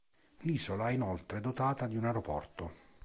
L'isola è inoltre dotata di un aeroporto.